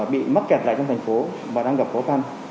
bị mắc kẹt lại trong thành phố và đang gặp khó khăn